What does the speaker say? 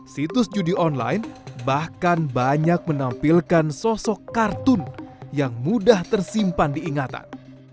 situs judi online bahkan banyak menampilkan sosok kartun yang mudah tersimpan diingatan